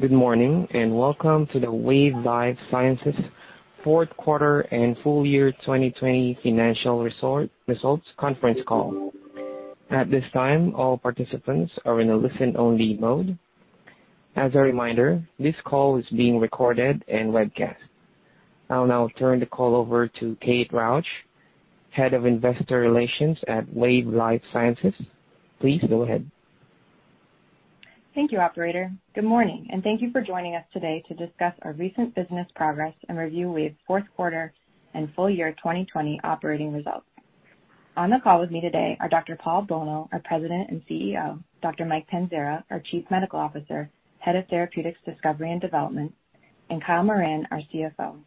Good morning. Welcome to the Wave Life Sciences Fourth Quarter and Full Year 2020 Financial Results conference call. At this time, all participants are in a listen-only mode. As a reminder, this call is being recorded and webcast. I will now turn the call over to Kate Rausch, Head of Investor Relations at Wave Life Sciences. Please go ahead. Thank you, operator. Good morning, and thank you for joining us today to discuss our recent business progress and review Wave's Fourth Quarter and Full Year 2020 Financial Results. On the call with me today are Dr. Paul Bolno, our President and CEO, Dr. Mike Panzara, our Chief Medical Officer, Head of Therapeutics, Discovery and Development, and Kyle Moran, our CFO.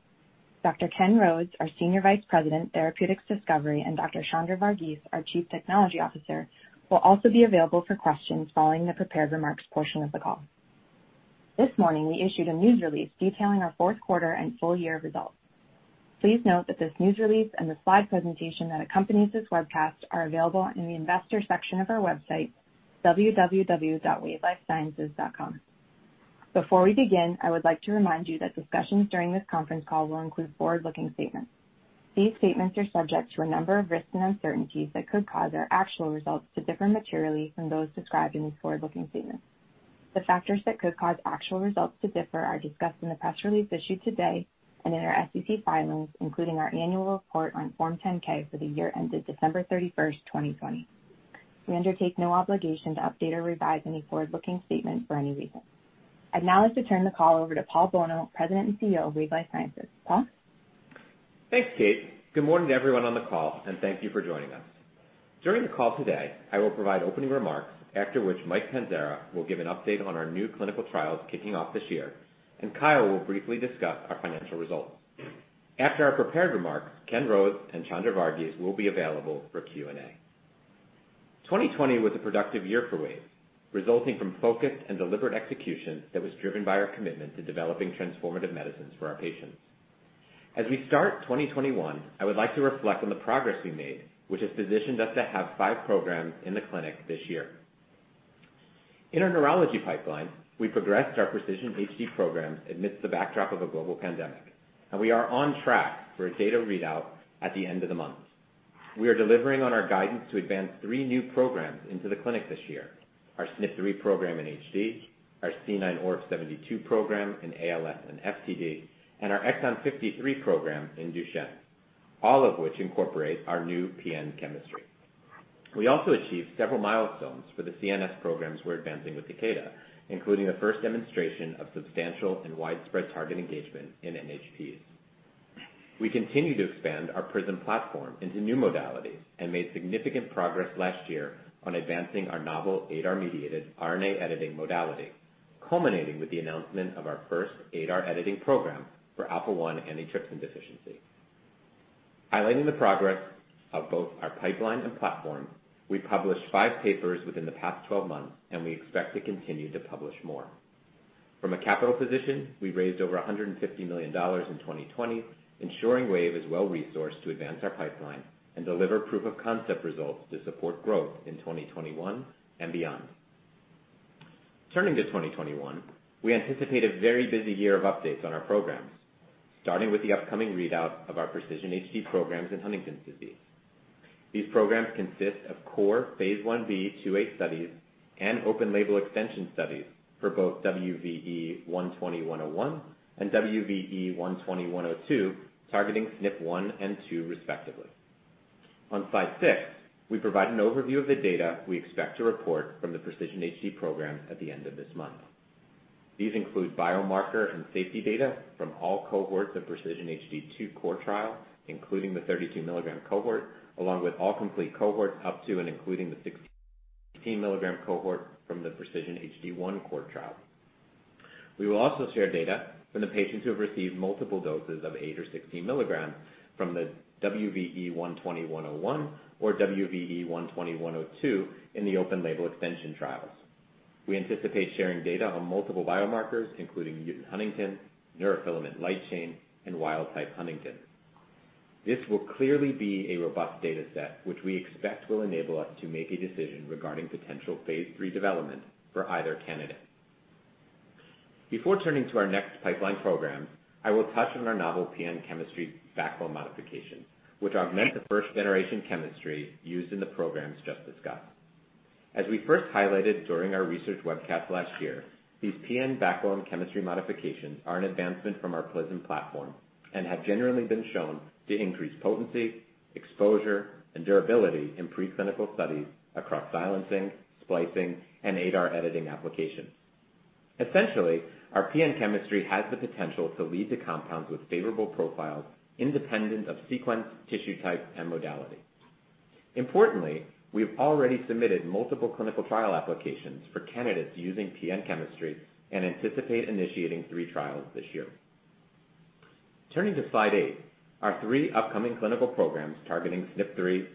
Dr. Kenneth Rhodes, our Senior Vice President, Therapeutics Discovery, and Dr. Chandra Vargeese, our Chief Technology Officer, will also be available for questions following the prepared remarks portion of the call. This morning, we issued a news release detailing our fourth quarter and full year results. Please note that this news release and the slide presentation that accompanies this webcast are available in the Investors section of our website, www.wavelifesciences.com. Before we begin, I would like to remind you that discussions during this conference call will include forward-looking statements. These statements are subject to a number of risks and uncertainties that could cause our actual results to differ materially from those described in these forward-looking statements. The factors that could cause actual results to differ are discussed in the press release issued today and in our SEC filings, including our annual report on Form 10-K for the year ended December 31st, 2020. We undertake no obligation to update or revise any forward-looking statements for any reason. I'd now like to turn the call over to Paul Bolno, President and CEO of Wave Life Sciences. Paul? Thanks, Kate. Good morning to everyone on the call, thank you for joining us. During the call today, I will provide opening remarks, after which Michael Panzara will give an update on our new clinical trials kicking off this year, Kyle will briefly discuss our financial results. After our prepared remarks, Kenneth Rhodes and Chandra Vargeese will be available for Q&A. 2020 was a productive year for Wave, resulting from focused and deliberate execution that was driven by our commitment to developing transformative medicines for our patients. As we start 2021, I would like to reflect on the progress we made, which has positioned us to have five programs in the clinic this year. In our neurology pipeline, we progressed our Precision-HD programs amidst the backdrop of a global pandemic, we are on track for a data readout at the end of the month. We are delivering on our guidance to advance three new programs into the clinic this year, our SNP3 program in HD, our C9orf72 program in ALS and FTD, and our Exon 53 program in Duchenne, all of which incorporate our new PN chemistry. We also achieved several milestones for the CNS programs we're advancing with Takeda, including the first demonstration of substantial and widespread target engagement in NHPs. We continue to expand our PRISM platform into new modalities and made significant progress last year on advancing our novel ADAR-mediated RNA editing modality, culminating with the announcement of our first ADAR editing program for alpha-1 antitrypsin deficiency. Highlighting the progress of both our pipeline and platform, we published five papers within the past 12 months, and we expect to continue to publish more. From a capital position, we raised over $150 million in 2020, ensuring Wave is well-resourced to advance our pipeline and deliver proof-of-concept results to support growth in 2021 and beyond. Turning to 2021, we anticipate a very busy year of updates on our programs, starting with the upcoming readout of our Precision-HD programs in Huntington's disease. These programs consist of core phase I-B/II-A studies and open label extension studies for both WVE-120101 and WVE-120102, targeting SNP1 and SNP2 respectively. On slide six, we provide an overview of the data we expect to report from the Precision-HD programs at the end of this month. These include biomarker and safety data from all cohorts of Precision-HD 2 core trial, including the 32 mg cohort, along with all complete cohorts up to and including the 16 mg cohort from the Precision-HD 1 core trial. We will also share data from the patients who have received multiple doses of 8 mg or 16 mg from the WVE-120101 or WVE-120102 in the open label extension trials. We anticipate sharing data on multiple biomarkers, including mutant huntingtin, neurofilament light chain, and wild-type huntingtin. This will clearly be a robust data set, which we expect will enable us to make a decision regarding potential phase III development for either candidate. Before turning to our next pipeline program, I will touch on our novel PN chemistry backbone modifications, which augment the first-generation chemistry used in the programs just discussed. As we first highlighted during our research webcast last year, these PN backbone chemistry modifications are an advancement from our PRISM platform and have generally been shown to increase potency, exposure, and durability in preclinical studies across silencing, splicing, and ADAR editing applications. Essentially, our PN chemistry has the potential to lead to compounds with favorable profiles independent of sequence, tissue type, and modality. Importantly, we have already submitted multiple clinical trial applications for candidates using PN chemistry and anticipate initiating three trials this year. Turning to slide eight, our three upcoming clinical programs targeting SNP3,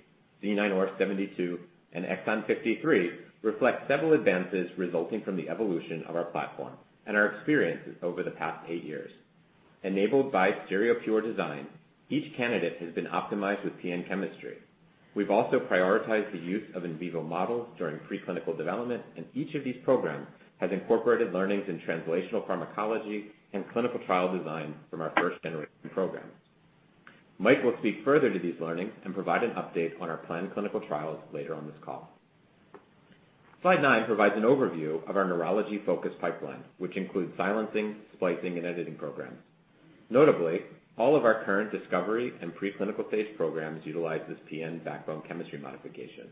C9orf72, and Exon 53 reflect several advances resulting from the evolution of our platform and our experiences over the past eight years. Enabled by stereopure design, each candidate has been optimized with PN chemistry. We've also prioritized the use of in vivo models during preclinical development, and each of these programs has incorporated learnings in translational pharmacology and clinical trial design from our first-generation programs. Mike will speak further to these learnings and provide an update on our planned clinical trials later on this call. Slide nine provides an overview of our neurology-focused pipeline, which includes silencing, splicing, and editing programs. Notably, all of our current discovery and preclinical phase programs utilize this PN backbone chemistry modification.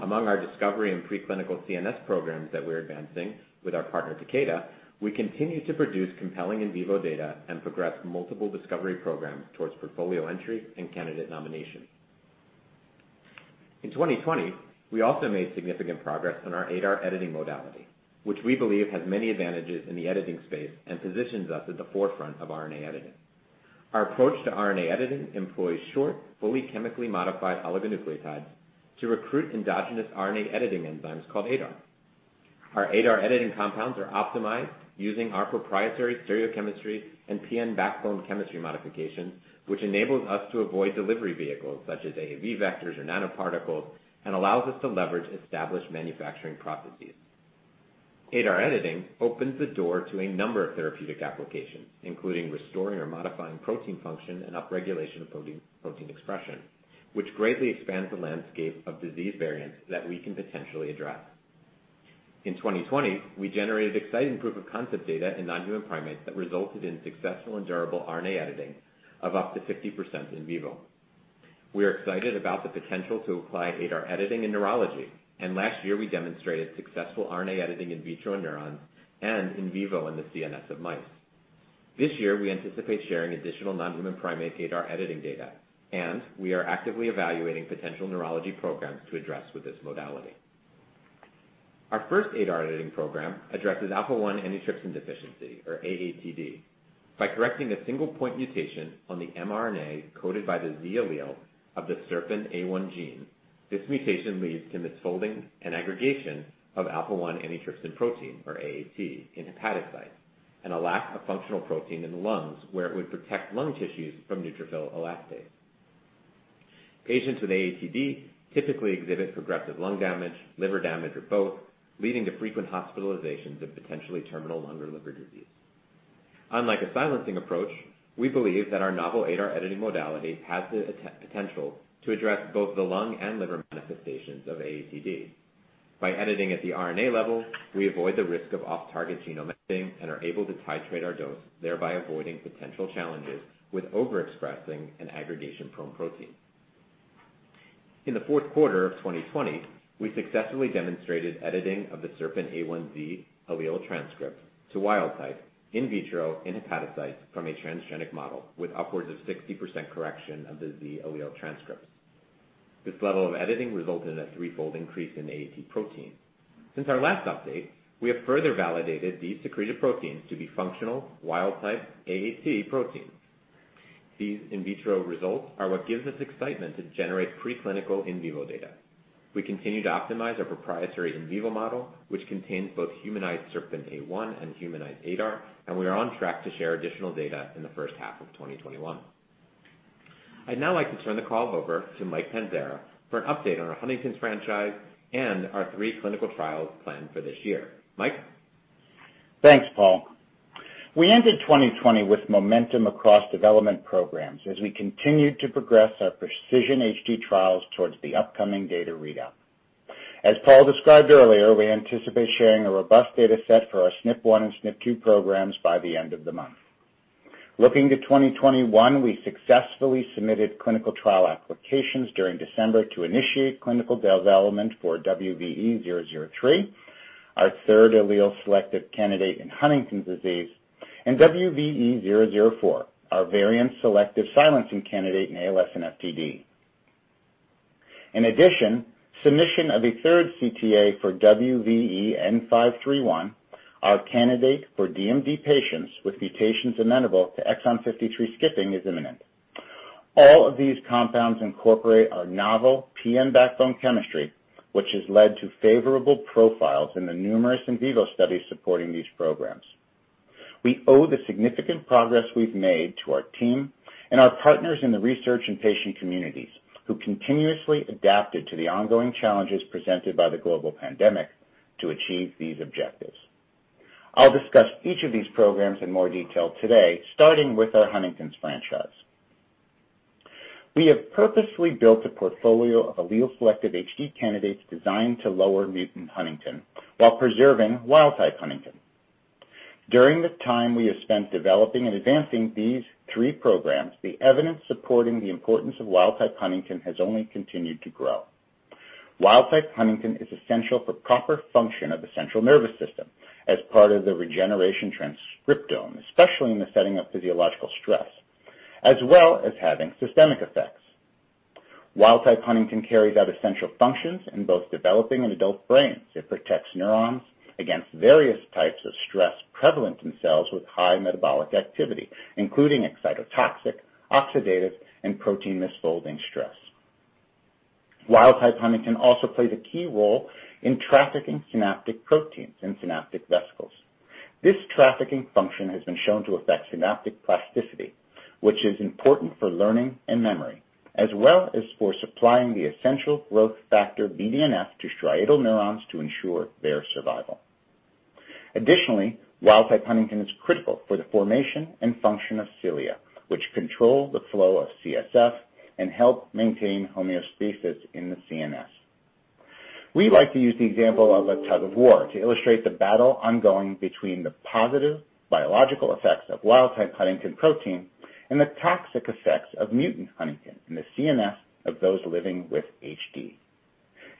Among our discovery and preclinical CNS programs that we're advancing with our partner, Takeda, we continue to produce compelling in vivo data and progress multiple discovery programs towards portfolio entry and candidate nomination. In 2020, we also made significant progress on our ADAR editing modality, which we believe has many advantages in the editing space and positions us at the forefront of RNA editing. Our approach to RNA editing employs short, fully chemically modified oligonucleotides to recruit endogenous RNA editing enzymes called ADAR. Our ADAR editing compounds are optimized using our proprietary stereochemistry and PN backbone chemistry modifications, which enables us to avoid delivery vehicles such as AAV vectors or nanoparticles and allows us to leverage established manufacturing processes. ADAR editing opens the door to a number of therapeutic applications, including restoring or modifying protein function and upregulation of protein expression, which greatly expands the landscape of disease variants that we can potentially address. In 2020, we generated exciting proof-of-concept data in non-human primates that resulted in successful and durable RNA editing of up to 60% in vivo. We are excited about the potential to apply ADAR editing in neurology, and last year we demonstrated successful RNA editing in vitro in neurons and in vivo in the CNS of mice. This year, we anticipate sharing additional non-human primate ADAR editing data, and we are actively evaluating potential neurology programs to address with this modality. Our first ADAR editing program addresses alpha-1 antitrypsin deficiency, or AATD, by correcting a single point mutation on the mRNA coded by the Z allele of the SERPINA1 gene. This mutation leads to misfolding and aggregation of alpha-1 antitrypsin protein, or AAT, in hepatocytes, and a lack of functional protein in the lungs, where it would protect lung tissues from neutrophil elastase. Patients with AATD typically exhibit progressive lung damage, liver damage, both, leading to frequent hospitalizations of potentially terminal lung or liver disease. Unlike a silencing approach, we believe that our novel ADAR editing modality has the potential to address both the lung and liver manifestations of AATD. By editing at the RNA level, we avoid the risk of off-target genome editing and are able to titrate our dose, thereby avoiding potential challenges with overexpressing an aggregation-prone protein. In the fourth quarter of 2020, we successfully demonstrated editing of the SERPINA1 Z allele transcript to wild type in vitro in hepatocytes from a transgenic model with upwards of 60% correction of the Z allele transcripts. This level of editing resulted in a threefold increase in AAT protein. Since our last update, we have further validated these secreted proteins to be functional wild type AAT proteins. These in vitro results are what gives us excitement to generate preclinical in vivo data. We continue to optimize our proprietary in vivo model, which contains both humanized SERPINA1 and humanized ADAR, we are on track to share additional data in the first half of 2021. I'd now like to turn the call over to Mike Panzara for an update on our Huntington's franchise and our three clinical trials planned for this year. Mike? Thanks, Paul. We ended 2020 with momentum across development programs as we continued to progress our Precision-HD trials towards the upcoming data readout. As Paul described earlier, we anticipate sharing a robust data set for our SNP1 and SNP2 programs by the end of the month. Looking to 2021, we successfully submitted clinical trial applications during December to initiate clinical development for WVE-003, our third allele-selective candidate in Huntington's disease, and WVE-004, our variant-selective silencing candidate in ALS and FTD. In addition, submission of a third CTA for WVE-N531, our candidate for DMD patients with mutations amenable to Exon 53 skipping, is imminent. All of these compounds incorporate our novel PN backbone chemistry, which has led to favorable profiles in the numerous in vivo studies supporting these programs. We owe the significant progress we've made to our team and our partners in the research and patient communities who continuously adapted to the ongoing challenges presented by the global pandemic to achieve these objectives. I'll discuss each of these programs in more detail today, starting with our Huntington's franchise. We have purposefully built a portfolio of allele-selective HD candidates designed to lower mutant huntingtin while preserving wild-type huntingtin. During the time we have spent developing and advancing these three programs, the evidence supporting the importance of wild-type huntingtin has only continued to grow. Wild-type huntingtin is essential for proper function of the central nervous system as part of the regeneration transcriptome, especially in the setting of physiological stress, as well as having systemic effects. Wild-type huntingtin carries out essential functions in both developing and adult brains. It protects neurons against various types of stress prevalent in cells with high metabolic activity, including excitotoxic, oxidative, and protein misfolding stress. Wild type huntingtin also plays a key role in trafficking synaptic proteins and synaptic vesicles. This trafficking function has been shown to affect synaptic plasticity, which is important for learning and memory, as well as for supplying the essential growth factor BDNF to striatal neurons to ensure their survival. Additionally, wild type huntingtin is critical for the formation and function of cilia, which control the flow of CSF and help maintain homeostasis in the CNS. We like to use the example of a tug of war to illustrate the battle ongoing between the positive biological effects of wild type huntingtin protein and the toxic effects of mutant huntingtin in the CNS of those living with HD.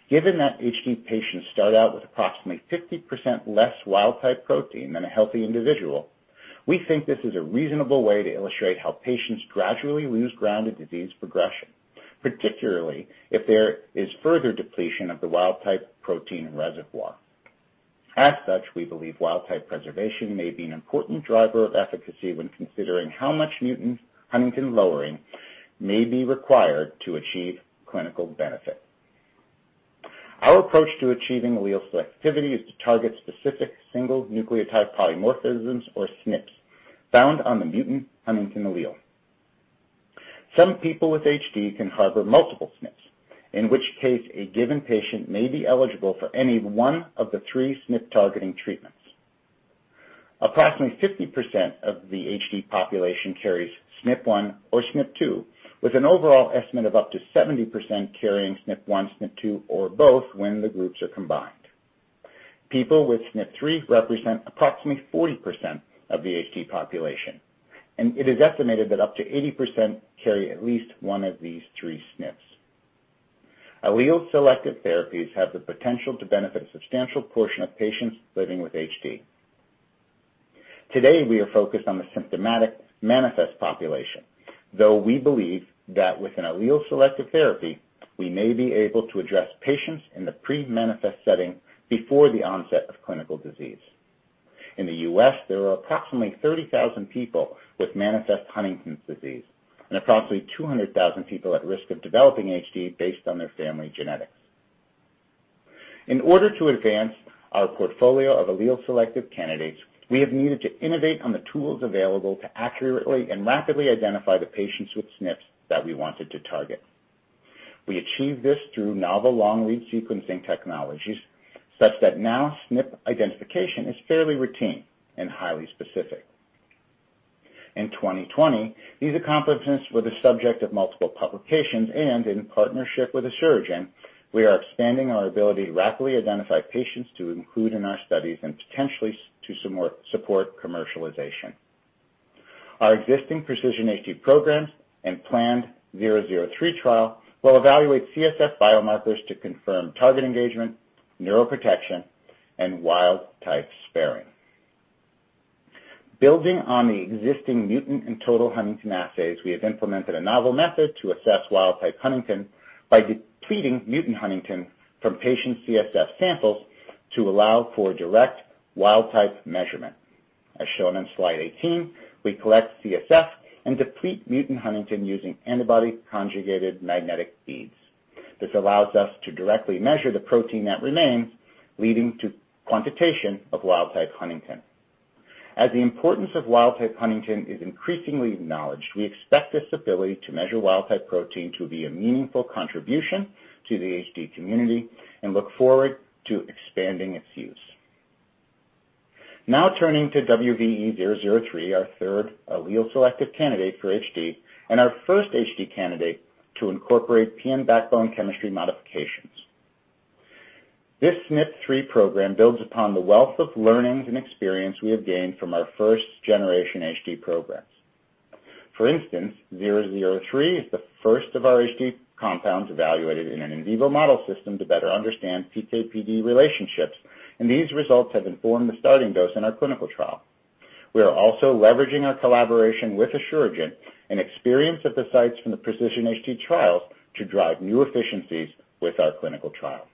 Given that HD patients start out with approximately 50% less wild type protein than a healthy individual, we think this is a reasonable way to illustrate how patients gradually lose ground in disease progression, particularly if there is further depletion of the wild type protein reservoir. As such, we believe wild type preservation may be an important driver of efficacy when considering how much mutant huntingtin lowering may be required to achieve clinical benefit. Our approach to achieving allele selectivity is to target specific single nucleotide polymorphisms, or SNPs, found on the mutant huntingtin allele. Some people with HD can harbor multiple SNPs, in which case, a given patient may be eligible for any one of the three SNP targeting treatments. Approximately 50% of the HD population carries SNP1 or SNP2, with an overall estimate of up to 70% carrying SNP1, SNP2, or both when the groups are combined. People with SNP3 represent approximately 40% of the HD population, and it is estimated that up to 80% carry at least one of these three SNPs. Allele selective therapies have the potential to benefit a substantial portion of patients living with HD. Today, we are focused on the symptomatic manifest population. Though we believe that with an allele selective therapy, we may be able to address patients in the pre-manifest setting before the onset of clinical disease. In the U.S., there are approximately 30,000 people with manifest Huntington's disease and approximately 200,000 people at risk of developing HD based on their family genetics. In order to advance our portfolio of allele selective candidates, we have needed to innovate on the tools available to accurately and rapidly identify the patients with SNPs that we wanted to target. We achieved this through novel long-read sequencing technologies, such that now SNP identification is fairly routine and highly specific. In 2020, these accomplishments were the subject of multiple publications, and in partnership with Asuragen, we are expanding our ability to rapidly identify patients to include in our studies and potentially to support commercialization. Our existing Precision-HD programs and planned 003 trial will evaluate CSF biomarkers to confirm target engagement, neuroprotection, and wild type sparing. Building on the existing mutant and total huntingtin assays, we have implemented a novel method to assess wild type huntingtin by depleting mutant huntingtin from patient CSF samples to allow for direct wild type measurement. As shown on slide 18, we collect CSF and deplete mutant huntingtin using antibody conjugated magnetic beads. This allows us to directly measure the protein that remains, leading to quantitation of wild type huntingtin. As the importance of wild type huntingtin is increasingly acknowledged, we expect this ability to measure wild type protein to be a meaningful contribution to the HD community and look forward to expanding its use. Turning to WVE-003, our third allele selective candidate for HD and our first HD candidate to incorporate PN backbone chemistry modifications. This SNP3 program builds upon the wealth of learnings and experience we have gained from our first generation HD programs. For instance, 003 is the first of our HD compounds evaluated in an in vivo model system to better understand PK/PD relationships, and these results have informed the starting dose in our clinical trial. We are also leveraging our collaboration with Asuragen and experience at the sites from the Precision-HD trials to drive new efficiencies with our clinical trial.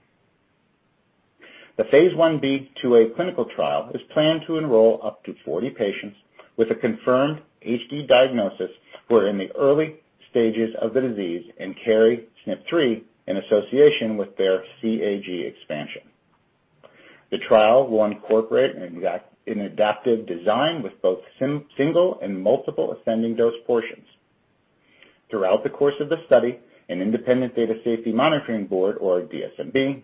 The phase I-B/II-A clinical trial is planned to enroll up to 40 patients with a confirmed HD diagnosis who are in the early stages of the disease and carry SNP3 in association with their CAG expansion. The trial will incorporate an adaptive design with both single and multiple ascending dose portions. Throughout the course of the study, an independent Data Safety Monitoring Board, or DSMB,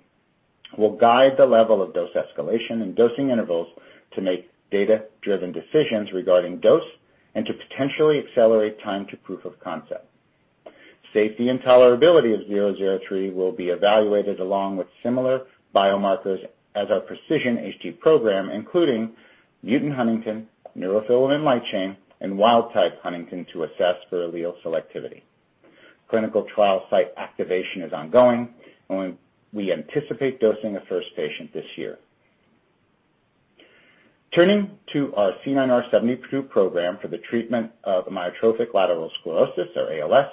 will guide the level of dose escalation and dosing intervals to make data-driven decisions regarding dose and to potentially accelerate time to proof of concept. Safety and tolerability of 003 will be evaluated along with similar biomarkers as our Precision-HD program, including mutant huntingtin, neurofilament light chain, and wild type huntingtin to assess for allele selectivity. Clinical trial site activation is ongoing. We anticipate dosing a first patient this year. Turning to our C9orf72 program for the treatment of amyotrophic lateral sclerosis, or ALS,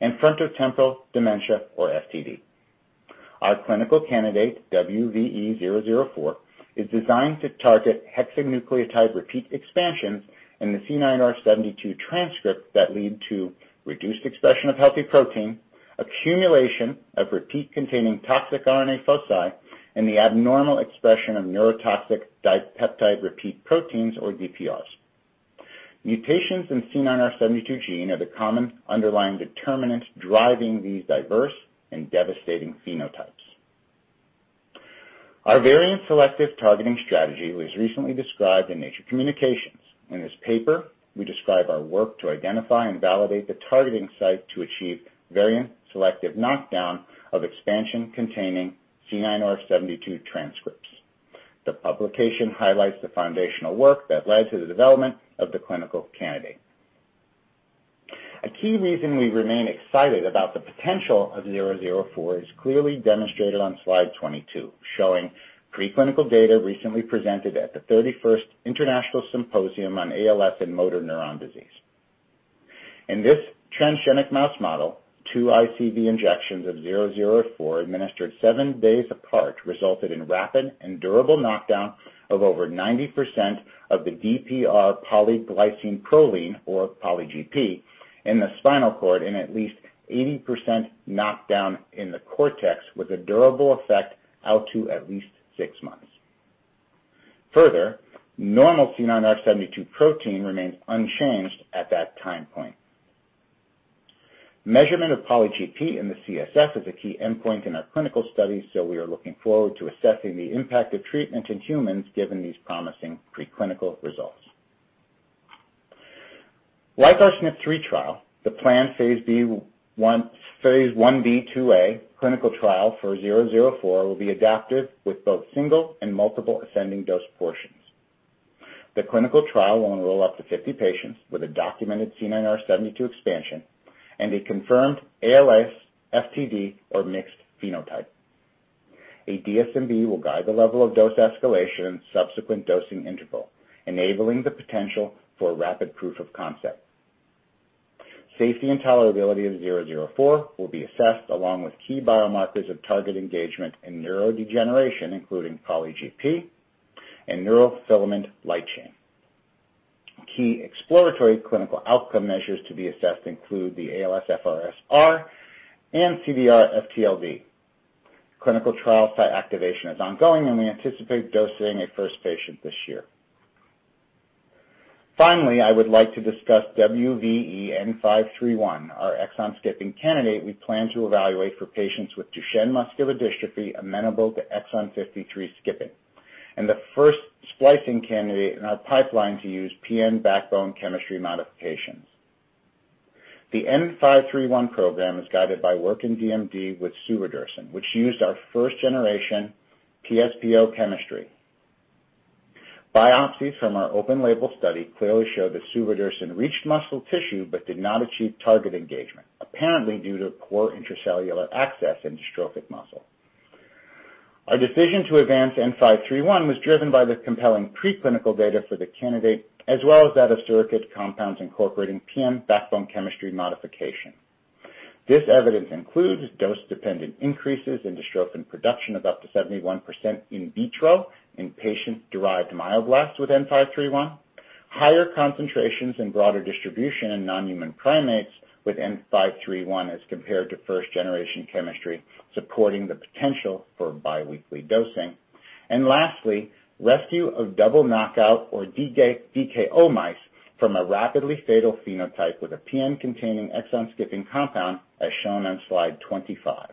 and frontotemporal dementia or FTD. Our clinical candidate, WVE-004, is designed to target hexanucleotide repeat expansion in the C9orf72 transcript that lead to reduced expression of healthy protein, accumulation of repeat-containing toxic RNA foci, and the abnormal expression of neurotoxic dipeptide repeat proteins, or DPRs. Mutations in C9orf72 gene are the common underlying determinants driving these diverse and devastating phenotypes. Our variant selective targeting strategy was recently described in Nature Communications. In this paper, we describe our work to identify and validate the targeting site to achieve variant-selective knockdown of expansion-containing C9orf72 transcripts. The publication highlights the foundational work that led to the development of the clinical candidate. A key reason we remain excited about the potential of 004 is clearly demonstrated on slide 22, showing preclinical data recently presented at the 31st International Symposium on ALS and Motor Neurone Disease. In this transgenic mouse model, two ICV injections of 004 administered seven days apart resulted in rapid and durable knockdown of over 90% of the DPR polyglycine proline, or PolyGP, in the spinal cord and at least 80% knockdown in the cortex with a durable effect out to at least six months. Further, normal C9orf72 protein remains unchanged at that time point. Measurement of PolyGP in the CSF is a key endpoint in our clinical study. We are looking forward to assessing the impact of treatment in humans, given these promising preclinical results. Like our SNP3 trial, the planned phase I-B/II-A clinical trial for 004 will be adapted with both single and multiple ascending dose portions. The clinical trial will enroll up to 50 patients with a documented C9orf72 expansion and a confirmed ALS, FTD, or mixed phenotype. A DSMB will guide the level of dose escalation and subsequent dosing interval, enabling the potential for rapid proof of concept. Safety and tolerability of 004 will be assessed, along with key biomarkers of target engagement and neurodegeneration, including PolyGP and neurofilament light chain. Key exploratory clinical outcome measures to be assessed include the ALSFRS-R and CDR-FTD. Clinical trial site activation is ongoing, and we anticipate dosing a first patient this year. Finally, I would like to discuss WVE-N531, our exon-skipping candidate we plan to evaluate for patients with Duchenne muscular dystrophy amenable to exon 53 skipping, and the first splicing candidate in our pipeline to use PN backbone chemistry modifications. The N531 program is guided by work in DMD with suvodirsen, which used our first-generation PS/PO chemistry. Biopsies from our open label study clearly show that suvodirsen reached muscle tissue but did not achieve target engagement, apparently due to poor intracellular access in dystrophic muscle. Our decision to advance N531 was driven by the compelling preclinical data for the candidate, as well as that of surrogate compounds incorporating PN backbone chemistry modification. This evidence includes dose-dependent increases in dystrophin production of up to 71% in vitro in patient-derived myoblasts with N531, higher concentrations and broader distribution in non-human primates with N531 as compared to first-generation chemistry, supporting the potential for biweekly dosing, and lastly, rescue of double knockout or DKO mice from a rapidly fatal phenotype with a PN-containing exon-skipping compound, as shown on slide 25.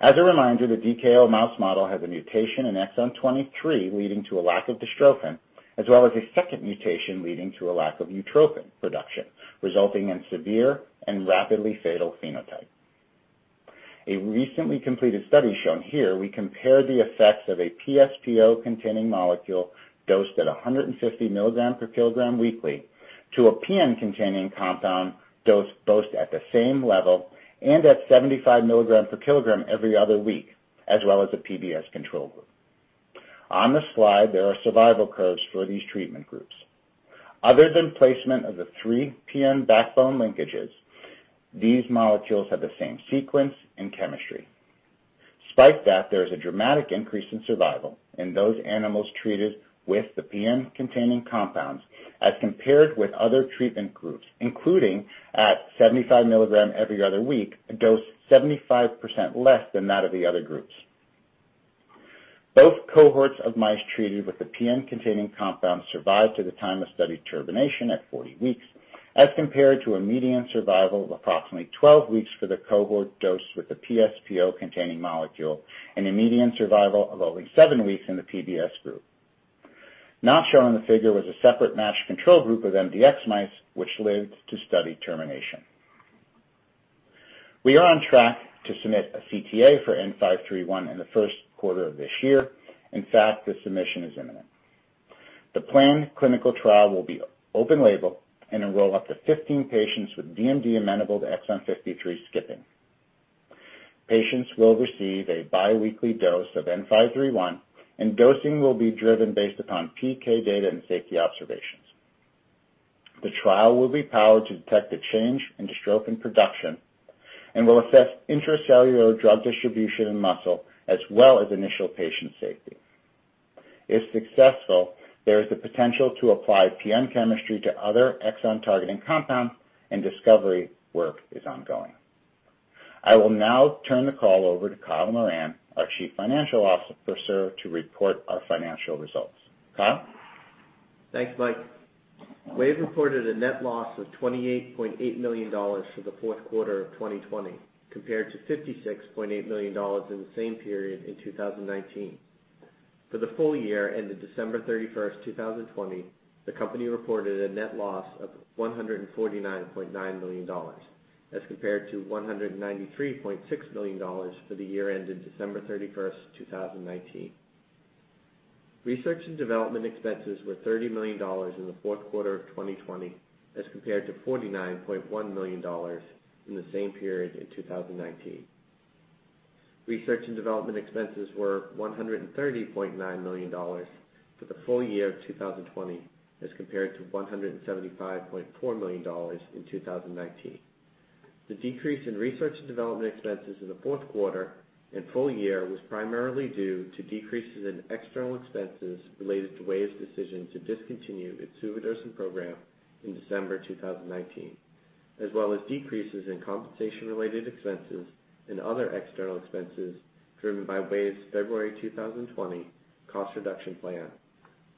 As a reminder, the DKO mouse model has a mutation in exon 23, leading to a lack of dystrophin, as well as a second mutation leading to a lack of utrophin production, resulting in severe and rapidly fatal phenotype. A recently completed study shown here, we compare the effects of a PS/PO-containing molecule dosed at 150 mg/kg weekly to a PN-containing compound dosed both at the same level and at 75 mg per kilogram every other week, as well as a PBS control group. On the slide, there are survival curves for these treatment groups. Other than placement of the three PN backbone linkages, these molecules have the same sequence and chemistry. Despite that, there is a dramatic increase in survival in those animals treated with the PN-containing compounds as compared with other treatment groups, including at 75 mg every other week, a dose 75% less than that of the other groups. Both cohorts of mice treated with the PN-containing compounds survived to the time of study termination at 40 weeks, as compared to a median survival of approximately 12 weeks for the cohort dosed with the PS/PO-containing molecule and a median survival of only seven weeks in the PBS group. Not shown in the figure was a separate matched control group of mdx mice, which lived to study termination. We are on track to submit a CTA for WVE-N531 in the first quarter of this year. In fact, the submission is imminent. The planned clinical trial will be open label and enroll up to 15 patients with DMD amenable to Exon 53 skipping. Patients will receive a biweekly dose of N531, and dosing will be driven based upon PK data and safety observations. The trial will be powered to detect a change in dystrophin and production and will assess intracellular drug distribution in muscle as well as initial patient safety. If successful, there is the potential to apply PN chemistry to other exon-targeting compounds, and discovery work is ongoing. I will now turn the call over to Kyle Moran, our chief financial officer, to report our financial results. Kyle? Thanks, Mike. Wave reported a net loss of $28.8 million for the fourth quarter of 2020, compared to $56.8 million in the same period in 2019. For the full year ending December 31st, 2020, the company reported a net loss of $149.9 million, as compared to $193.6 million for the year ending December 31st, 2019. Research and development expenses were $30 million in the fourth quarter of 2020, as compared to $49.1 million in the same period in 2019. Research and development expenses were $130.9 million for the full year of 2020, as compared to $175.4 million in 2019. The decrease in research and development expenses in the fourth quarter and full year was primarily due to decreases in external expenses related to Wave's decision to discontinue its suvodirsen program in December 2019, as well as decreases in compensation-related expenses and other external expenses driven by Wave's February 2020 cost reduction plan,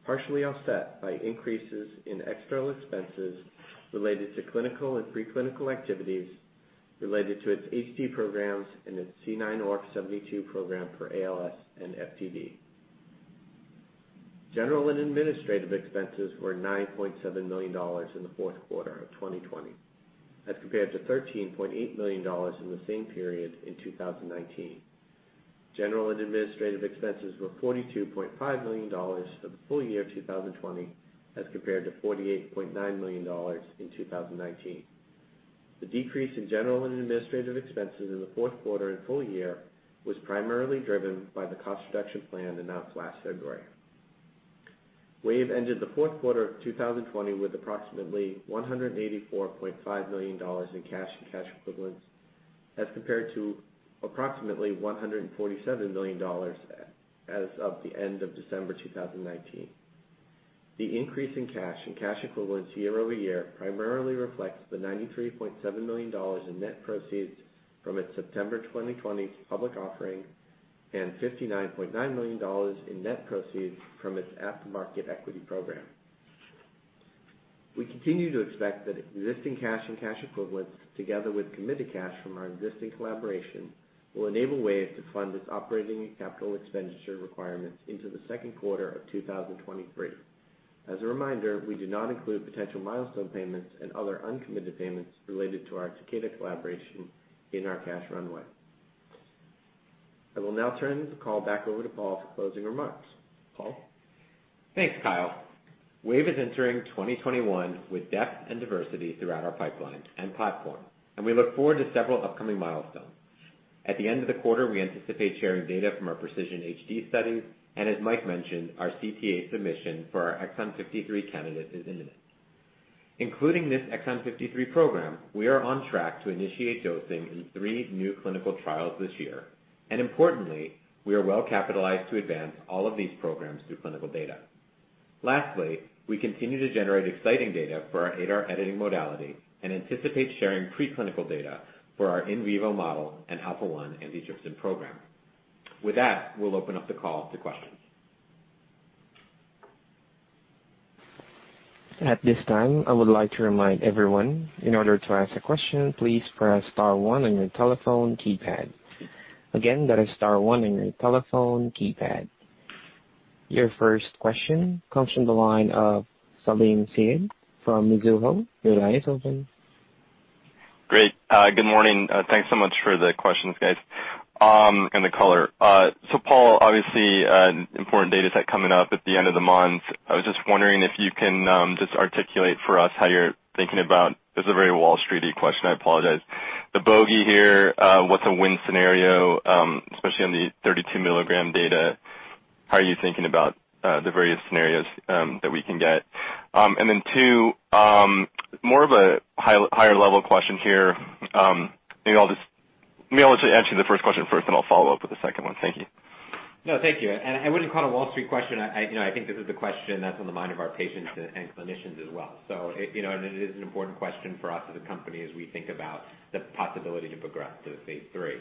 partially offset by increases in external expenses related to clinical and pre-clinical activities related to its HD programs and its C9orf72 program for ALS and FTD. General and administrative expenses were $9.7 million in the fourth quarter of 2020, as compared to $13.8 million in the same period in 2019. General and administrative expenses were $42.5 million for the full year 2020, as compared to $48.9 million in 2019. The decrease in general and administrative expenses in the fourth quarter and full year was primarily driven by the cost reduction plan announced last February. Wave ended the fourth quarter of 2020 with approximately $184.5 million in cash and cash equivalents, as compared to approximately $147 million as of the end of December 2019. The increase in cash and cash equivalents year-over-year primarily reflects the $93.7 million in net proceeds from its September 2020 public offering and $59.9 million in net proceeds from its aftermarket equity program. We continue to expect that existing cash and cash equivalents, together with committed cash from our existing collaboration, will enable Wave to fund its operating and capital expenditure requirements into the second quarter of 2023. As a reminder, we do not include potential milestone payments and other uncommitted payments related to our Takeda collaboration in our cash runway. I will now turn the call back over to Paul for closing remarks. Paul? Thanks, Kyle. Wave is entering 2021 with depth and diversity throughout our pipeline and platform. We look forward to several upcoming milestones. At the end of the quarter, we anticipate sharing data from our Precision-HD studies and as Mike mentioned, our CTA submission for our Exon 53 candidate is imminent. Including this Exon 53 program, we are on track to initiate dosing in three new clinical trials this year. Importantly, we are well-capitalized to advance all of these programs through clinical data. Lastly, we continue to generate exciting data for our ADAR editing modality and anticipate sharing preclinical data for our in vivo model and alpha-1 antitrypsin program. With that, we'll open up the call to questions. At this time, I would like to remind everyone in order to ask a question, please press star one on your telephone keypad. Again, that is star one on your telephone keypad. Your first question comes from the line of Salim Syed from Mizuho. Your line is open. Great. Good morning. Thanks so much for the questions, guys, and the color. Paul, obviously, an important data set coming up at the end of the month. I was just wondering if you can just articulate for us how you're thinking about This is a very Wall Street-y question. I apologize. The bogey here, what's a win scenario, especially on the 32 mg data. How are you thinking about the various scenarios that we can get? Two, more of a higher-level question here. Maybe I'll let you answer the first question first, and I'll follow up with the second one. Thank you. No, thank you. I wouldn't call it a Wall Street question. I think this is the question that's on the mind of our patients and clinicians as well. It is an important question for us as a company as we think about the possibility to progress to a phase III.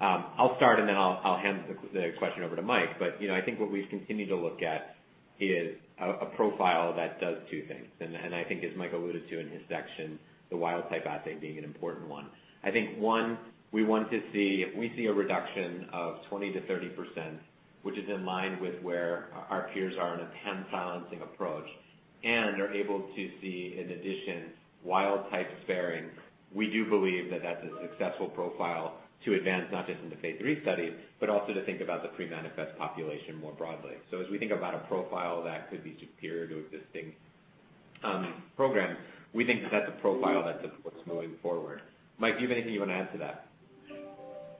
I'll start, I'll hand the question over to Mike. I think what we've continued to look at is a profile that does two things, and I think as Mike alluded to in his section, the wild-type assay being an important one. I think, one, we want to see if we see a reduction of 20%-30%, which is in line with where our peers are in a 10 silencing approach, and are able to see, in addition, wild type sparing. We do believe that that's a successful profile to advance, not just in the phase III study, but also to think about the pre-manifest population more broadly. As we think about a profile that could be superior to existing programs, we think that that's a profile that supports moving forward. Mike, do you have anything you want to add to that?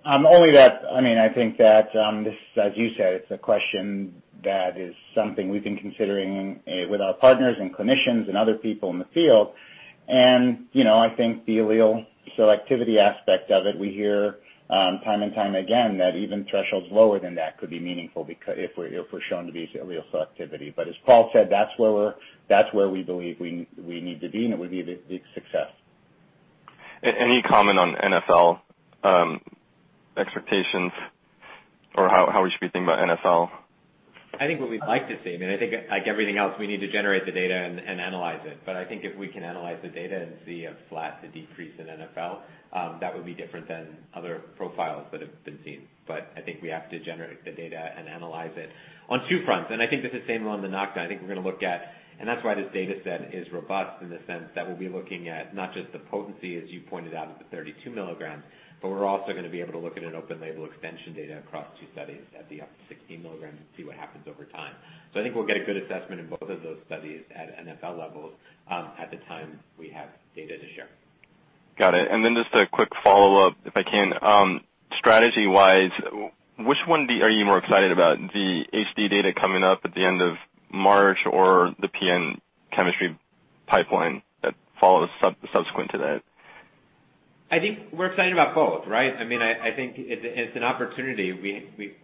Only that, I think that this, as you said, it's a question that is something we've been considering with our partners and clinicians and other people in the field. I think the allele selectivity aspect of it, we hear time and time again that even thresholds lower than that could be meaningful if we're shown to be allele selectivity. As Paul said, that's where we believe we need to be, and it would be a big success. Any comment on NfL expectations or how we should be thinking about NfL? I think what we'd like to see, I think like everything else, we need to generate the data and analyze it. If we can analyze the data and see a flat to decrease in NfL, that would be different than other profiles that have been seen. I think we have to generate the data and analyze it on two fronts. I think it's the same along the Nocta. That's why this data set is robust in the sense that we'll be looking at not just the potency, as you pointed out, of the 32 mg, but we're also going to be able to look at an open label extension data across two studies at the up to 16 mg and see what happens over time. I think we'll get a good assessment in both of those studies at NfL levels, at the time we have data to share. Got it. Then just a quick follow-up, if I can. Strategy-wise, which one are you more excited about, the HD data coming up at the end of March or the PN chemistry pipeline that follows subsequent to that? I think we're excited about both, right? I think it's an opportunity.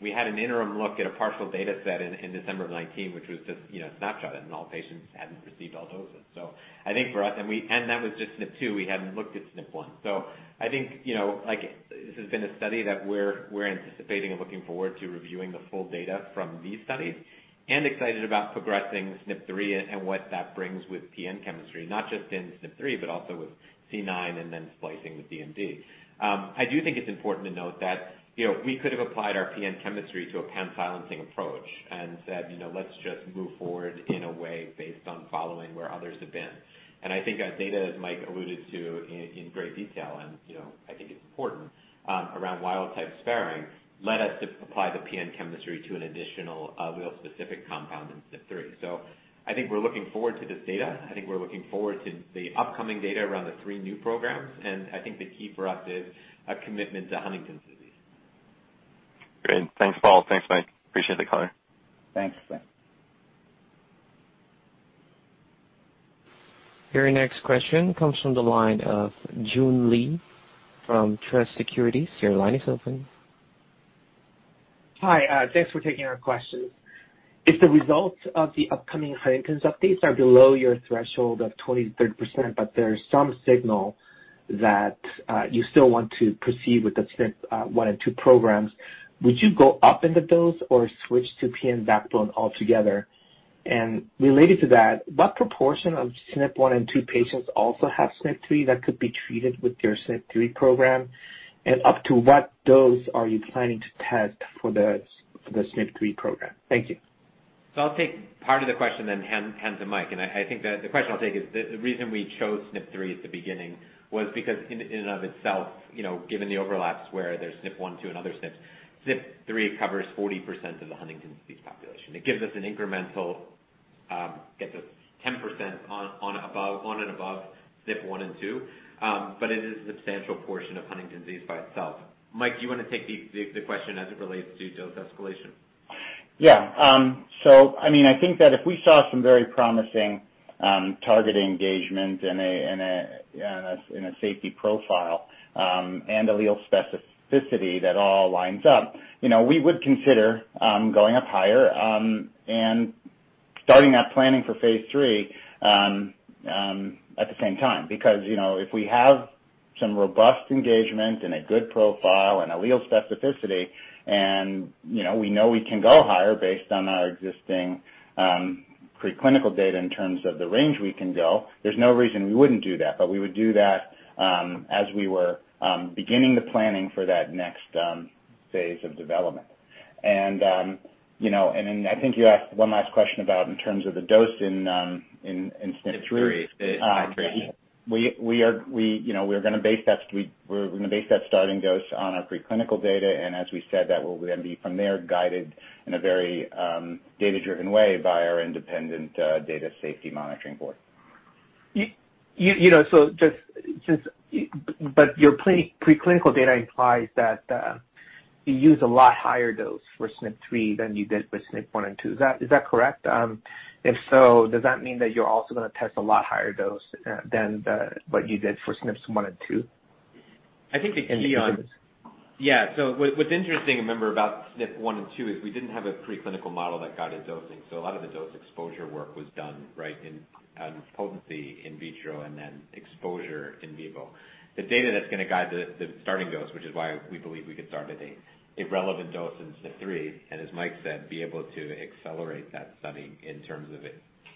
We had an interim look at a partial data set in December of 2019, which was just a snapshot, and all patients hadn't received all doses. I think for us, and that was just SNP2. We hadn't looked at SNP1. I think, this has been a study that we're anticipating and looking forward to reviewing the full data from these studies and excited about progressing SNP3 and what that brings with PN chemistry, not just in SNP3, but also with C9 and then splicing with DMD. I do think it's important to note that we could have applied our PN chemistry to a pan silencing approach and said, "Let's just move forward in a way based on following where others have been." I think that data, as Mike alluded to in great detail, and I think it's important, around wild-type sparing, led us to apply the PN chemistry to an additional allele-specific compound in SNP3. I think we're looking forward to this data. I think we're looking forward to the upcoming data around the three new programs, and I think the key for us is a commitment to Huntington's disease. Great. Thanks, Paul. Thanks, Mike. Appreciate the color. Thanks. Your next question comes from the line of Joon Lee from Truist Securities. Your line is open. Hi. Thanks for taking our questions. If the results of the upcoming Huntington's updates are below your threshold of 20%-30% but there is some signal that you still want to proceed with the SNP1 and SNP2 programs, would you go up in the dose or switch to PN backbone altogether? Related to that, what proportion of SNP1 and SNP2 patients also have SNP3 that could be treated with your SNP3 program? Up to what dose are you planning to test for the SNP3 program? Thank you. I'll take part of the question then hand to Mike. I think that the question I'll take is, the reason we chose SNP3 at the beginning was because in and of itself, given the overlaps where there's SNP1, SNP2, and other SNPs, SNP3 covers 40% of the Huntington's disease population. It gives us an incremental, gets us 10% on and above SNP1 and SNP2. It is a substantial portion of Huntington's disease by itself. Mike, do you want to take the question as it relates to dose escalation? I think that if we saw some very promising target engagement in a safety profile, and allele specificity that all lines up, we would consider going up higher, and starting that planning for phase III at the same time. If we have some robust engagement and a good profile and allele specificity and we know we can go higher based on our existing preclinical data in terms of the range we can go, there's no reason we wouldn't do that. We would do that as we were beginning the planning for that next phase of development. I think you asked one last question about in terms of the dose in SNP3. SNP3. We're going to base that starting dose on our preclinical data, and as we said, that will then be from there guided in a very data-driven way by our independent data safety monitoring board. Your preclinical data implies that you use a lot higher dose for SNP3 than you did for SNP1 and SNP2. Is that correct? If so, does that mean that you're also going to test a lot higher dose than what you did for SNP1 and SNP2? I think the key In terms of- Yeah. What's interesting, remember, about SNP1 and SNP2 is we didn't have a preclinical model that guided dosing. A lot of the dose exposure work was done right in potency in vitro and then exposure in vivo. The data that's going to guide the starting dose, which is why we believe we could start at a relevant dose in SNP3, and as Mike said, be able to accelerate that study in terms of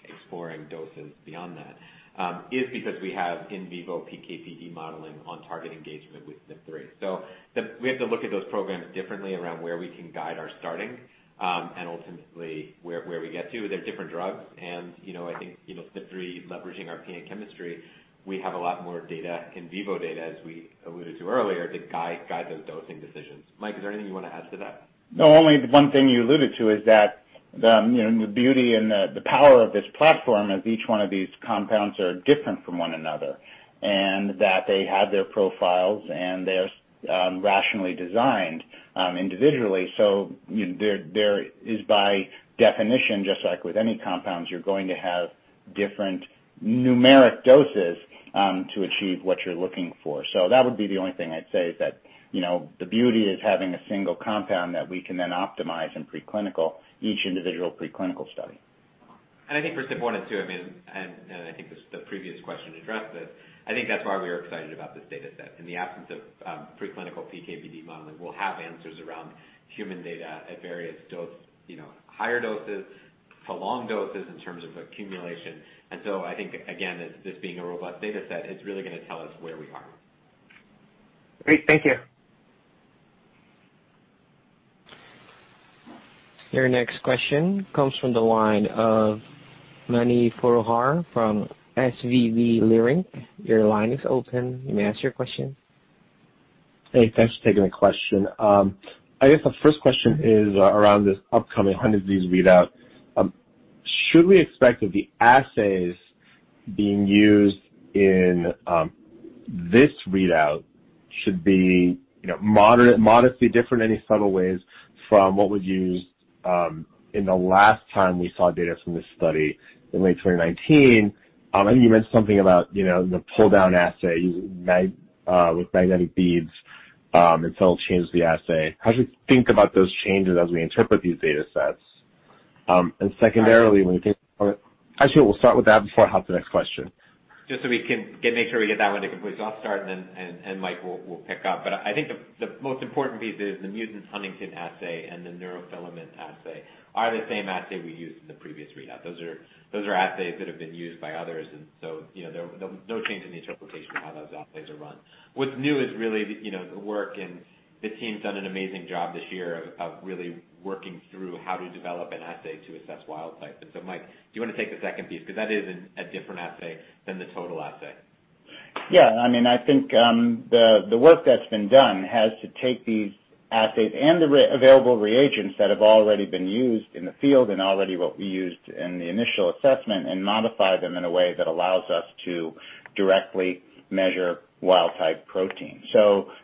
exploring doses beyond that, is because we have in vivo PK/PD modeling on target engagement with SNP3. We have to look at those programs differently around where we can guide our starting, and ultimately where we get to. They're different drugs and I think, SNP3 leveraging our PN chemistry, we have a lot more data, in vivo data, as we alluded to earlier, to guide those dosing decisions. Mike, is there anything you want to add to that? No, only the one thing you alluded to is that the beauty and the power of this platform is each one of these compounds are different from one another, and that they have their profiles and they're rationally designed individually. There is by definition, just like with any compounds, you're going to have different numeric doses to achieve what you're looking for. That would be the only thing I'd say is that the beauty is having a single compound that we can then optimize in preclinical, each individual preclinical study. I think for SNP1 and SNP2, and I think the previous question addressed this, I think that's why we are excited about this data set. In the absence of preclinical PK/PD modeling, we'll have answers around human data at various higher doses, prolonged doses in terms of accumulation. I think, again, this being a robust data set, it's really going to tell us where we are. Great. Thank you. Your next question comes from the line of Mani Foroohar from SVB Leerink. Your line is open. You may ask your question. Hey, thanks for taking the question. I guess the first question is around this upcoming Huntington's readout. Should we expect that the assays being used in this readout should be modestly different in any subtle ways from what was used in the last time we saw data from this study in late 2019? I know you mentioned something about the pull-down assay with magnetic beads, it'll change the assay. How should we think about those changes as we interpret these data sets? Secondarily, actually, we'll start with that before I ask the next question. Just so we can make sure we get that one to complete. I'll start and then Mike will pick up. I think the most important piece is the mutant huntingtin assay and the neurofilament assay are the same assay we used in the previous readout. Those are assays that have been used by others, and so there's no change in the interpretation of how those assays are run. What's new is really the work, and the team's done an amazing job this year of really working through how to develop an assay to assess wild type. Mike, do you want to take the second piece? Because that is a different assay than the total assay. Yeah. I think the work that's been done has to take these assays and the available reagents that have already been used in the field and already will be used in the initial assessment and modify them in a way that allows us to directly measure wild type protein.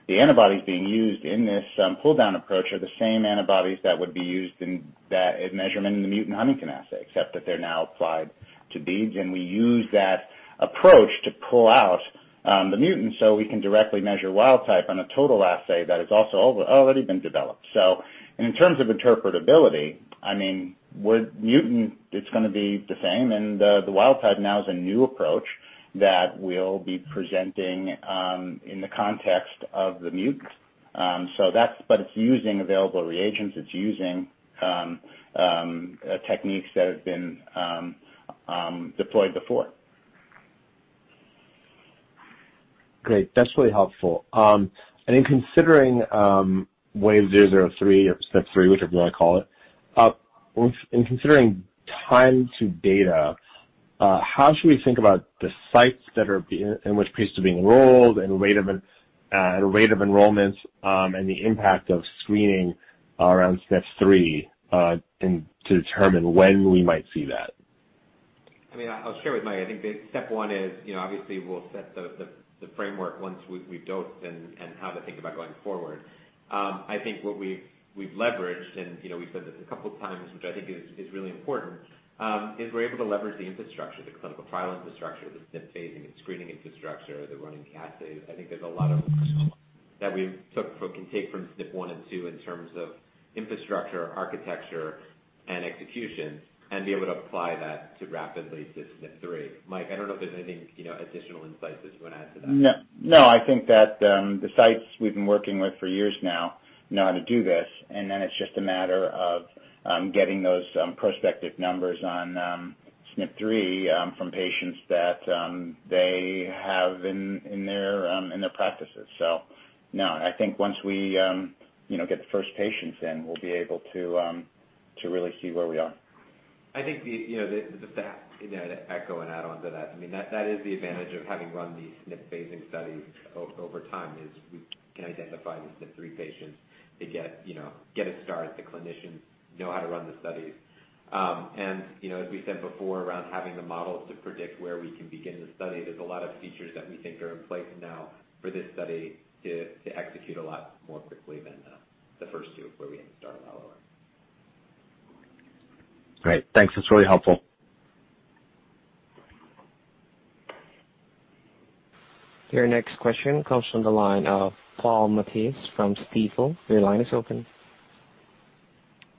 The antibodies being used in this pull down approach are the same antibodies that would be used in that measurement in the mutant huntingtin assay, except that they're now applied to beads, and we use that approach to pull out the mutant so we can directly measure wild type on a total assay that has also already been developed. In terms of interpretability, with mutant, it's going to be the same, and the wild type now is a new approach that we'll be presenting in the context of the mutant. It's using available reagents. It's using techniques that have been deployed before. Great. That's really helpful. In considering WVE-003 or SNP3, whichever you want to call it, in considering time to data, how should we think about the sites in which patients are being enrolled and rate of enrollments and the impact of screening around SNP3 to determine when we might see that? I'll share with Mike. I think step one is, obviously we'll set the framework once we've dosed and how to think about going forward. I think what we've leveraged, and we've said this a couple of times, which I think is really important, is we're able to leverage the infrastructure, the clinical trial infrastructure, the SNP phasing, the screening infrastructure, the running assays. I think there's a lot that we can take from SNP1 and SNP2 in terms of infrastructure, architecture, and execution, and be able to apply that rapidly to SNP3. Mike, I don't know if there's anything, additional insights you want to add to that. I think that the sites we've been working with for years now know how to do this. It's just a matter of getting those prospective numbers on SNP3 from patients that they have in their practices. No, I think once we get the first patients in, we'll be able to really see where we are. I think just to echo and add on to that is the advantage of having run these SNP phasing studies over time is we can identify the SNP3 patients to get a start. The clinicians know how to run the studies. As we said before, around having the models to predict where we can begin the study, there's a lot of features that we think are in place now for this study to execute a lot more quickly than the first two, where we had to start all over. Great. Thanks. That's really helpful. Your next question comes from the line of Paul Matteis from Stifel. Your line is open.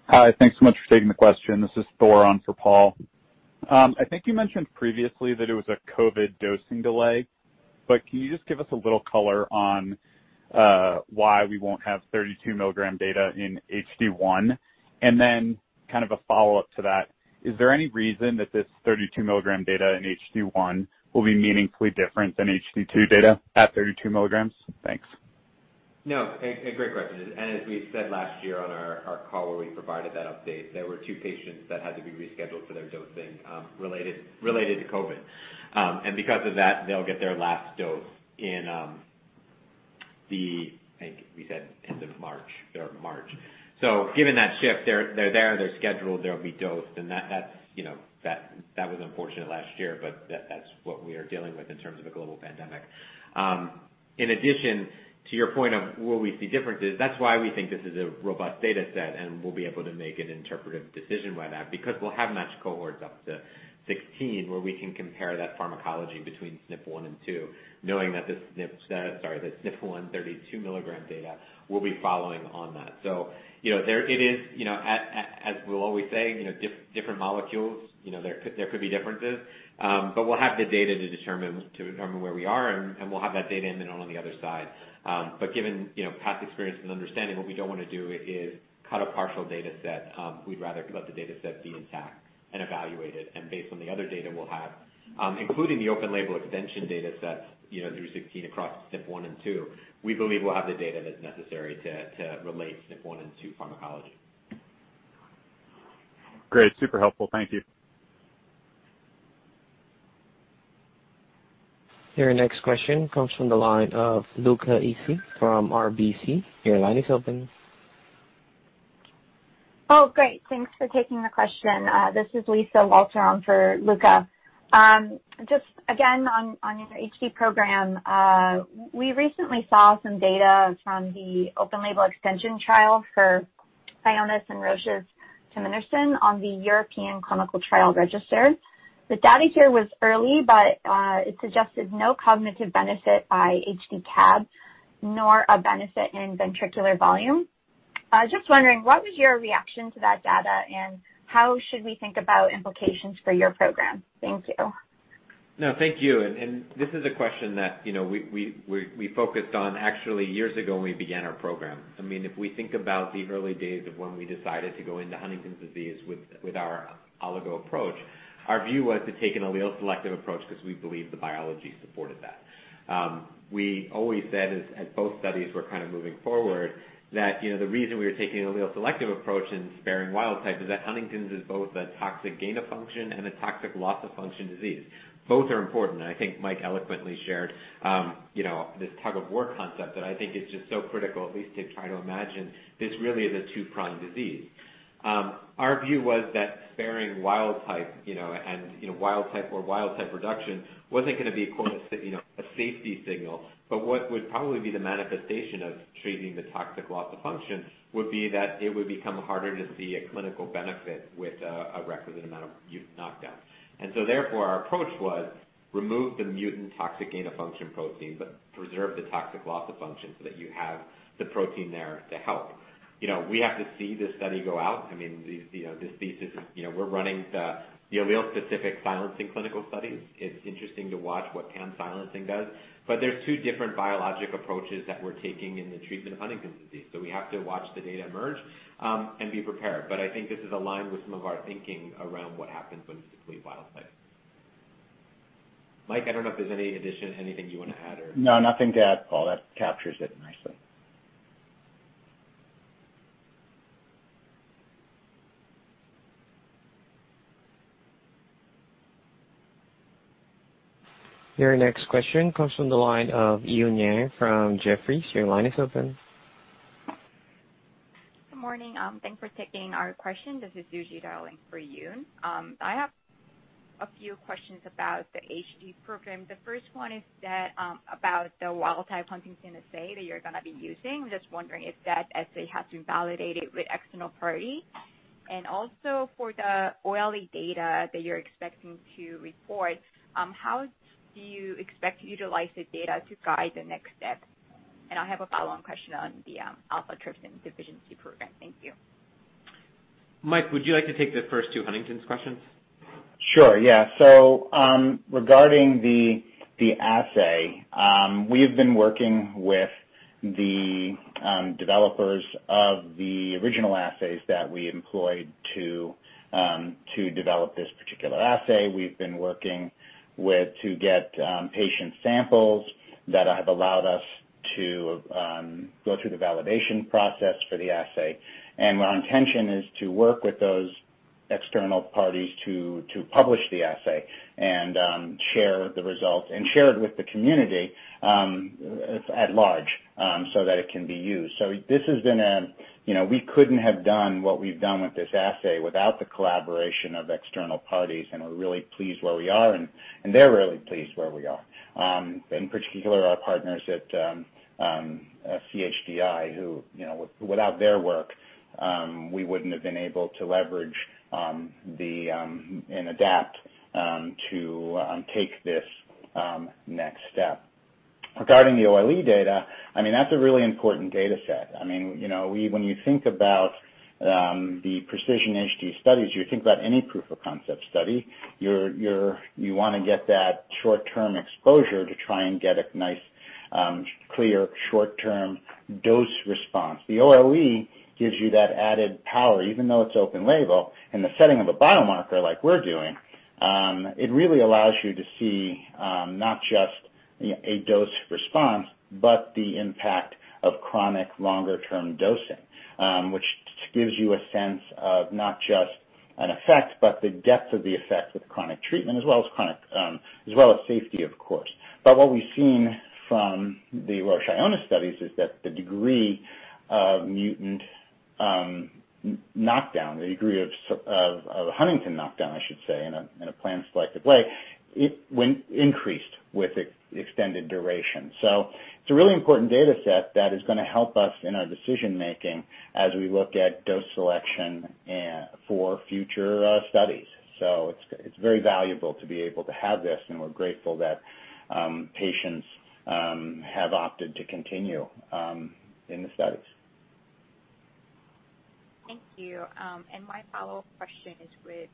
Hi. Thanks so much for taking the question. This is Thor on for Paul. I think you mentioned previously that it was a COVID dosing delay, but can you just give us a little color on why we won't have 32 mg data in HD1? Kind of a follow-up to that, is there any reason that this 32 mg data in HD1 will be meaningfully different than HD2 data at 32 mg? Thanks. No. A great question. As we said last year on our call where we provided that update, there were two patients that had to be rescheduled for their dosing related to COVID. Because of that, they'll get their last dose in the. I think we said end of March or March. Given that shift, they're there, they're scheduled, they'll be dosed and that was unfortunate last year, but that's what we are dealing with in terms of a global pandemic. In addition to your point of will we see differences, that's why we think this is a robust data set, and we'll be able to make an interpretive decision by that, because we'll have matched cohorts up to 16 mg, where we can compare that pharmacology between SNP1 and SNP2, knowing that the SNP1 32 mg data will be following on that. As we're always saying, different molecules, there could be differences. We'll have the data to determine where we are, and we'll have that data in then on the other side. Given past experience and understanding, what we don't want to do is cut a partial data set. We'd rather let the data set be intact and evaluated. Based on the other data we'll have, including the open label extension data sets through 16 across SNP1 and SNP2, we believe we'll have the data that's necessary to relate SNP1 and SNP2 pharmacology. Great. Super helpful. Thank you. Your next question comes from the line of Luca Issi from RBC. Your line is open. Great. Thanks for taking the question. This is Lisa Walter on for Luca. Again, on your HD program. We recently saw some data from the open label extension trial for Ionis and Roche's tominersen on the EU Clinical Trials Register. The data here was early, but it suggested no cognitive benefit by HD-CAB, nor a benefit in ventricular volume. Wondering, what was your reaction to that data, and how should we think about implications for your program? Thank you. No, thank you. This is a question that we focused on actually years ago when we began our program. If we think about the early days of when we decided to go into Huntington's disease with our oligo approach, our view was to take an allele selective approach because we believe the biology supported that. We always said, as both studies were kind of moving forward, that the reason we were taking an allele selective approach and sparing wild type is that Huntington's is both a toxic gain of function and a toxic loss of function disease. Both are important, and I think Mike eloquently shared this tug of war concept that I think is just so critical, at least to try to imagine this really is a two-pronged disease. Our view was that sparing wild type or wild type reduction wasn't going to be equivalent to a safety signal. What would probably be the manifestation of treating the toxic loss of function would be that it would become harder to see a clinical benefit with a requisite amount of mutant knockdown. Therefore, our approach was remove the mutant toxic gain of function protein, but preserve the toxic loss of function so that you have the protein there to help. We have to see this study go out. We're running the allele-specific silencing clinical studies. It's interesting to watch what pan silencing does, There's two different biologic approaches that we're taking in the treatment of Huntington's disease. We have to watch the data emerge and be prepared. I think this is aligned with some of our thinking around what happens when we deplete wild type. Mike, I don't know if there's any addition, anything you want to add or? No, nothing to add, Paul. That captures it nicely. Your next question comes from the line of Eun Yang from Jefferies. Your line is open. Good morning. Thanks for taking our question. This is Suji dialing for Eun. I have a few questions about the HD program. The first one is about the wild type huntingtin assay that you're going to be using. Just wondering if that assay has been validated with external party? Also for the OLE data that you're expecting to report, how do you expect to utilize the data to guide the next step? I have a follow-on question on the alpha-1 antitrypsin deficiency program. Thank you. Mike, would you like to take the first two Huntington's questions? Sure, yeah. Regarding the assay, we have been working with the developers of the original assays that we employed to develop this particular assay. We've been working to get patient samples that have allowed us to go through the validation process for the assay. Our intention is to work with those external parties to publish the assay and share the results, and share it with the community at large, so that it can be used. We couldn't have done what we've done with this assay without the collaboration of external parties, and we're really pleased where we are, and they're really pleased where we are. In particular, our partners at CHDI, who, without their work, we wouldn't have been able to leverage and adapt to take this next step. Regarding the OLE data, that's a really important data set. When you think about the Precision-HD studies, you think about any proof-of-concept study, you want to get that short-term exposure to try and get a nice clear, short-term dose response. The OLE gives you that added power, even though it's open label, in the setting of a biomarker like we're doing. It really allows you to see not just a dose response, but the impact Of chronic longer-term dosing, which gives you a sense of not just an effect, but the depth of the effect with chronic treatment as well as safety, of course. What we've seen from the Roche Ionis studies is that the degree of mutant knockdown, the degree of huntingtin knockdown, I should say, in an allele-selective way, it increased with extended duration. It's a really important data set that is going to help us in our decision making as we look at dose selection for future studies. It's very valuable to be able to have this, and we're grateful that patients have opted to continue in the studies. Thank you. My follow-up question is with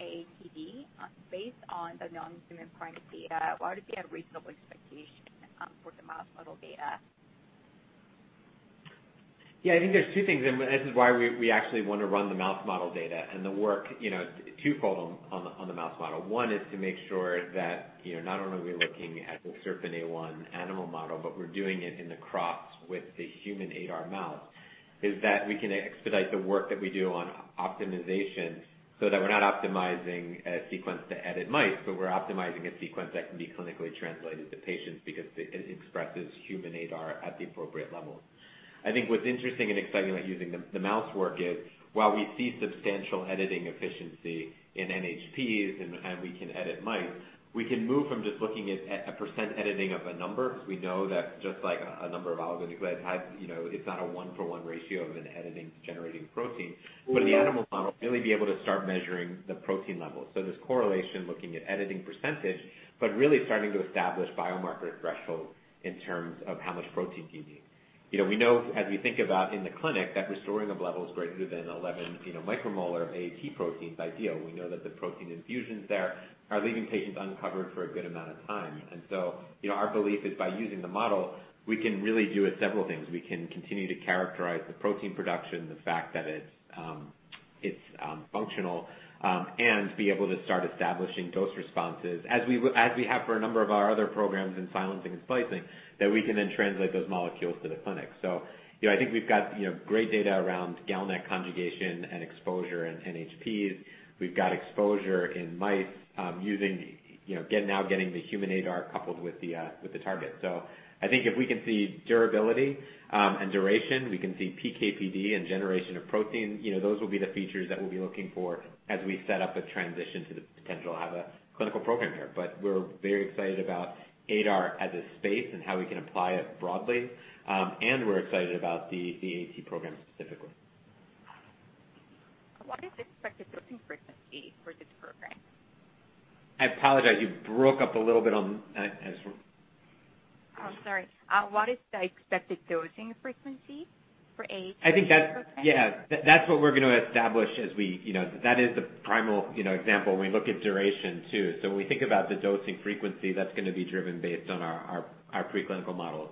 AATD. Based on the non-human primate data, what would be a reasonable expectation for the mouse model data? Yeah, I think there's two things. This is why we actually want to run the mouse model data and the work twofold on the mouse model. One is to make sure that not only are we looking at the SERPINA1 animal model, but we're doing it in the cross with the human ADAR mouse, is that we can expedite the work that we do on optimization so that we're not optimizing a sequence to edit mice, but we're optimizing a sequence that can be clinically translated to patients because it expresses human ADAR at the appropriate level. I think what's interesting and exciting about using the mouse work is while we see substantial editing efficiency in NHPs and we can edit mice, we can move from just looking at a percent editing of a number, because we know that just like a number of oligonucleotides, it's not a one-for-one ratio of an editing generating protein. In the animal model, really be able to start measuring the protein levels. There's correlation looking at editing percentage, but really starting to establish biomarker thresholds in terms of how much protein you need. We know as we think about in the clinic that restoring of levels greater than 11 micromolar of AAT protein is ideal. We know that the protein infusions there are leaving patients uncovered for a good amount of time. Our belief is by using the model, we can really do several things. We can continue to characterize the protein production, the fact that it's functional, and be able to start establishing dose responses as we have for a number of our other programs in silencing and splicing, that we can then translate those molecules to the clinic. I think we've got great data around GalNAc conjugation and exposure in NHPs. We've got exposure in mice using now getting the human ADAR coupled with the target. I think if we can see durability and duration, we can see PK/PD and generation of protein. Those will be the features that we'll be looking for as we set up a transition to the potential to have a clinical program here. We're very excited about ADAR as a space and how we can apply it broadly. We're excited about the AAT program specifically. What is the expected dosing frequency for this program? I apologize. You broke up a little bit on. Oh, sorry. What is the expected dosing frequency for AAT in this program? Yeah. That's what we're going to establish as that is the primal example when we look at duration too. When we think about the dosing frequency, that's going to be driven based on our preclinical models.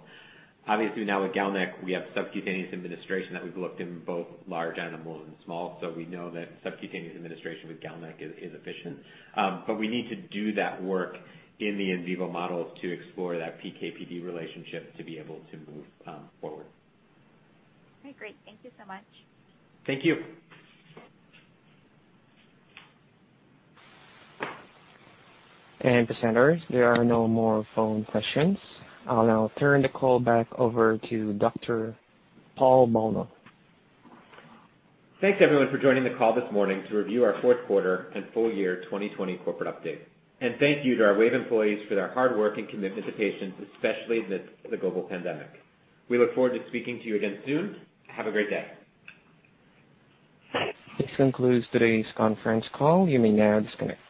Obviously, now with GalNAc, we have subcutaneous administration that we've looked in both large animals and small. We know that subcutaneous administration with GalNAc is efficient. We need to do that work in the in vivo models to explore that PK/PD relationship to be able to move forward. Okay, great. Thank you so much. Thank you. Presenters, there are no more phone questions. I'll now turn the call back over to Dr. Paul Bolno. Thanks, everyone, for joining the call this morning to review our fourth quarter and full year 2020 corporate update. Thank you to our Wave employees for their hard work and commitment to patients, especially amid the global pandemic. We look forward to speaking to you again soon. Have a great day. This concludes today's conference call. You may now disconnect.